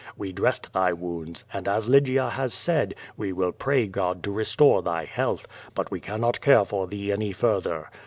We dressed thy wounds, and as Lygia has wud, we will pray God to restore thy health, but we cannot care for thee any further.